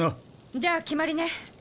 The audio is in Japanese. じゃあ決まりね。